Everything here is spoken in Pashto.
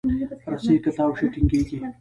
رسۍ که تاو شي، ټینګېږي.